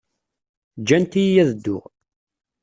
Ǧǧant-iyi ad dduɣ.